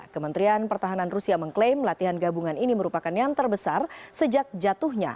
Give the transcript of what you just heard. kementerian pertahanan rusia mengklaim latihan gabungan ini merupakan yang terbesar sejak jatuhnya